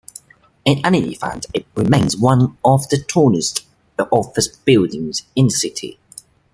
In any event it remains one of the tallest office buildings in the city.